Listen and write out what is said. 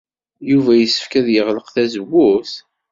Yuba yessefk ad yeɣleq tazewwut?